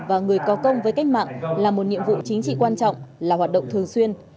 và người có công với cách mạng là một nhiệm vụ chính trị quan trọng là hoạt động thường xuyên